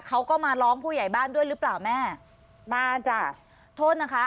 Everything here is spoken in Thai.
เขาก็มาร้องผู้ใหญ่บ้านด้วยหรือเปล่าแม่มาจ้ะโทษนะคะ